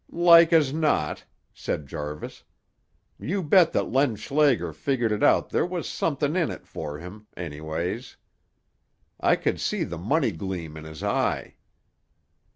"Like as not," said Jarvis. "You bet that Len Schlager figured it out there was somethin' in it for him, anyways. I could see the money gleam in his eye."